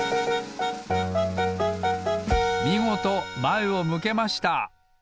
みごとまえを向けました！